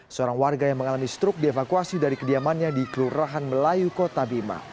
seorang warga yang mengalami struk dievakuasi dari kediamannya di kelurahan melayu kota bima